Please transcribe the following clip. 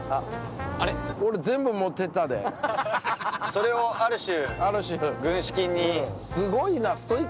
それをある種。